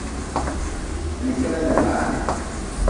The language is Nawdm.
Ni keda ni laha.